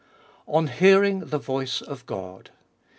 XXII ON HEARING THE VOICE OF GOD.